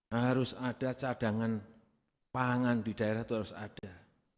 harus ada cadangan pangan di daerah itu harus ada